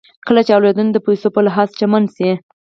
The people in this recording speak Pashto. کله چې اولادونه د پيسو په لحاظ شتمن سي